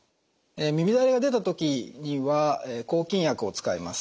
耳だれが出た時には抗菌薬を使います。